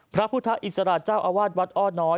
พระพุทธอิสระเจ้าอาวาสวัดอ้อน้อย